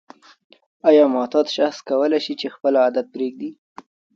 آیا معتاد شخص کولای شي چې خپل عادت پریږدي؟